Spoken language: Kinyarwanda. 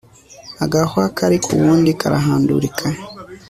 agahwa kari ku wundi karahandurika